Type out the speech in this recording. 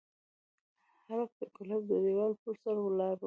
هلک د کلا د دېوال پر سر ولاړ و.